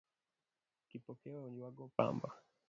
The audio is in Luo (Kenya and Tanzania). Kipokeo ywago pamba?